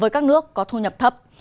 các nước có thu nhập thấp